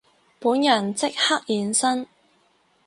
本人即刻現身